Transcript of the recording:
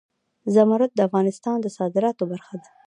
زمرد د افغانستان د صادراتو برخه ده.